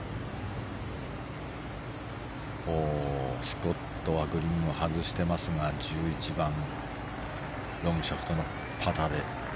スコットはグリーンを外してますが１１番ロングシャフトのパターで。